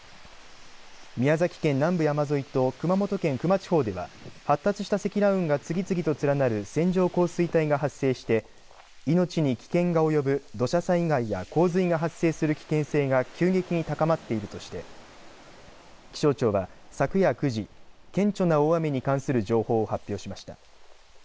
宮崎県南部山沿いと熊本県球磨地方では発達した積乱雲が次々と連なる線状降水帯が発生して命に危険が及ぶ土砂災害や洪水が発生する危険性が急激に高まっているとして気象庁は昨夜９時、顕著な大雨に関する情報を発表しました。